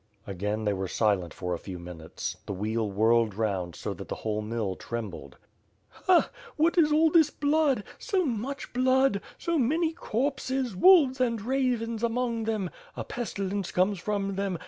Again, they were silent for a few minutes. The wheel whirled round so that the whole mill trembled. "Ha! What is all this blood? So much blood! So many corpses, wolves and ravens among them. A pestilence comes from them.